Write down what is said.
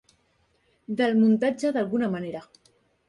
Del muntatge d'alguna manera.